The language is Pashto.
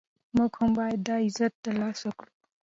موږ هم باید دا عزت ترلاسه کړو.